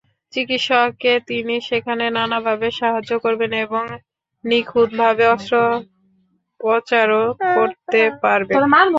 চিকিৎসককে তিনি সেখানে নানাভাবে সাহায্য করবেন এবং নিখুঁতভাবে অস্ত্রোপচারও করতে পারবেন।